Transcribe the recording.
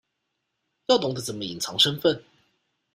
要懂得怎麼隱藏身份